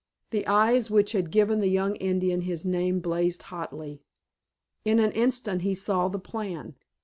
The eyes which had given the young Indian his name blazed hotly. In an instant he saw the plan.